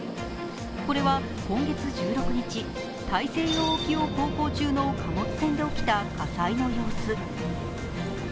これは今月１６日、大西洋沖を航行中の貨物船で起きた火災の様子。